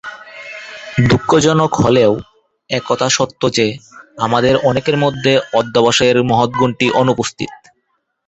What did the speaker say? দুঃখজনক হলেও এ কথা সত্য যে, আমাদের অনেকের মধ্যে অধ্যবসায়ের মহৎ গুণটি অনুপস্থিত।